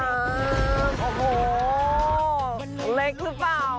โอ้โหเล็กหรือเปล่า